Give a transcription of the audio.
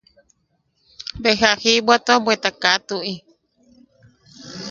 Beja a jibwatua, bweta kaa tuʼi.